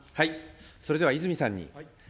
それでは泉さんに。